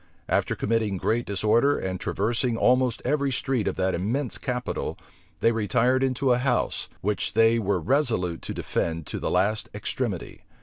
After committing great disorder, and traversing almost every street of that immense capital, they retired into a house, which they were resolute to defend to the last extremity.